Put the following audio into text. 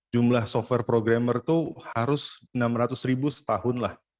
jumlah software programmer itu harus enam ratus ribu setahun lah